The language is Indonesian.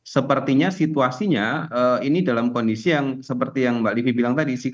sepertinya situasinya ini dalam kondisi yang seperti yang mbak livi bilang tadi